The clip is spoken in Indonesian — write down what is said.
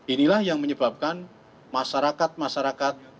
inilah yang menyebabkan masyarakat masyarakat